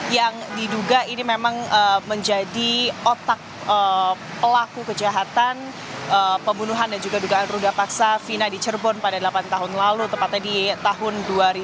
yang diduga ini memang menjadi otak pelaku kejahatan pembunuhan dan juga dugaan ruda paksa fina di cirebon pada delapan tahun lalu tepatnya di tahun dua ribu dua